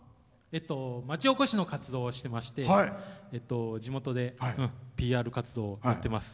町おこしの活動をしていまして地元でＰＲ活動をやっています。